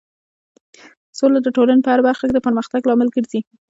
سوله د ټولنې په هر برخه کې د پرمختګ لامل ګرځي.